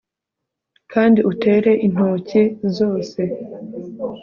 Kandi utere intoki zose